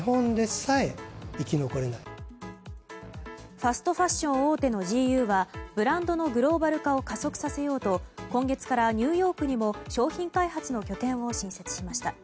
ファストファッション大手のジーユーはブランドのグローバル化を加速させようと今月からニューヨークにも商品開発の拠点を新設しました。